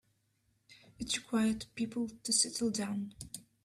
It required people to settle down.